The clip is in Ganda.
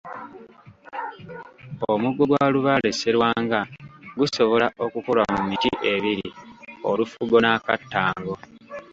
Omuggo gwa Lubaale Sserwanga gusobola okukolwa mu miti ebiri, Olufugo n'akattango.